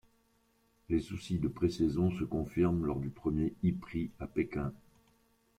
Les soucis de pré-saison se confirment lors du premier ePrix à Pékin.